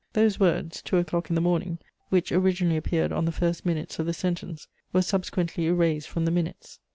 Those words, "two o'clock in morning," which originally appeared on the first minutes of the sentence, were subsequently erased from the minutes.